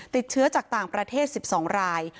ติดเชื้อจากต่างประเทศ๑๒ราย